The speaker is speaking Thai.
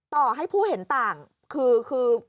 ต่อให้ผู้เห็นต่างคือ